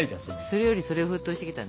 それよりそれ沸騰してきたね。